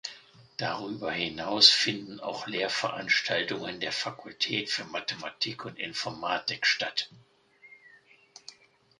Darüber hinaus finden auch Lehrveranstaltungen der Fakultät für Mathematik und Informatik statt.